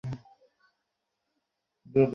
কোনো শুভ কিংবা অশুভ আত্মা কি আছে?